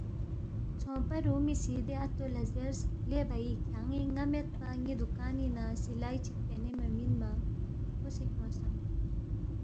ژھونگپا رُومی سی دے اتو لہ زیرس، لے بھئی کھیان٘ی ن٘ا میدپا ن٘ی دُوکانِنگ نہ سِلائی چِک پینے مہ مِنما ہرکُوسے کھیونگسانگ